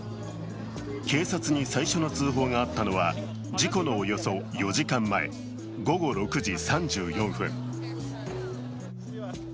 警察に最初の通報があったのは事故のおよそ４時間前、午後６時３４分。